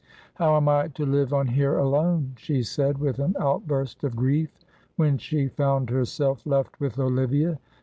"How am I to live on here alone?" she said, with an outburst of grief, when she found herself left with Olivia.